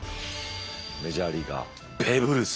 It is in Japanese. メジャーリーガーベーブ・ルース。